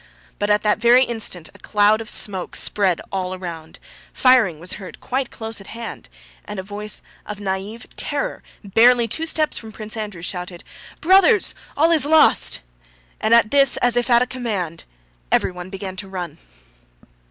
But at that very instant a cloud of smoke spread all round, firing was heard quite close at hand, and a voice of naïve terror barely two steps from Prince Andrew shouted, "Brothers! All's lost!" And at this as if at a command, everyone began to run.